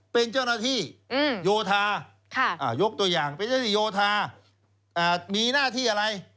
เป็นเจ้าหน้าที่โยธายกตัวอย่างเป็นเจ้าที่โยธามีหน้าที่อะไร